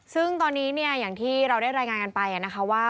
ซึ่งตอนนี้เนี่ยอย่างที่เราได้รายงานกันไปนะคะว่า